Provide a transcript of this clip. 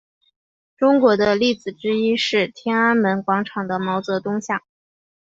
中国的例子之一是天安门广场的毛泽东像。